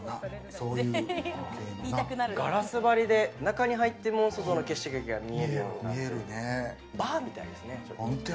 ガラス張りで中に入っても外の景色が見えるような、バーみたいですね。